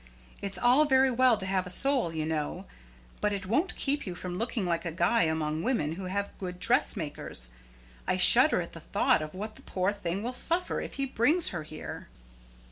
It's all very well to have a soul, you know; but it won't keep you from looking like a guy among women who have good dressmakers. I shudder at the thought of what the poor thing will suffer if he brings her here."